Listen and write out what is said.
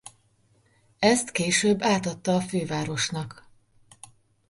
Ezt később átadta a fővárosnak.